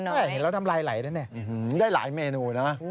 เห็นแล้วทำลายไหลนะเนี่ยได้หลายเมนูนะ